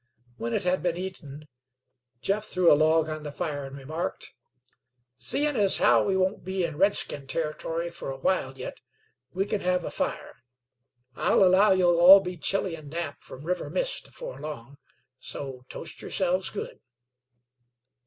When it had been eaten, Jeff threw a log on the fire and remarked: "Seein' as how we won't be in redskin territory fer awhile yit, we kin hev a fire. I'll allow ye'll all be chilly and damp from river mist afore long, so toast yerselves good."